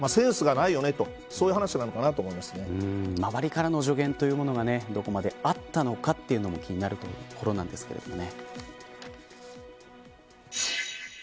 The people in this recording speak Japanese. センスがないよねと周りからの助言というものがどこまであったのかそれも気になるところなんですけどね。